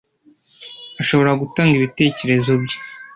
ashobora gutanga ibitekerezo bye .